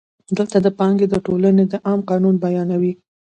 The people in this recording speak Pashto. دلته د پانګې د ټولونې عام قانون بیانوو